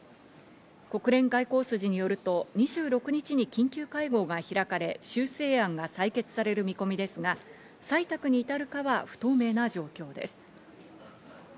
国連外交筋によると、２６日に緊急会合が開かれ、修正案が採決される見込みですが、採択に至るかは不透明な状況です。